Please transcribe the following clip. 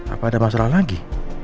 apa ada masalah lagi